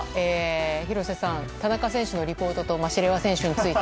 廣瀬さん、田中選手のリポートとマシレワ選手について。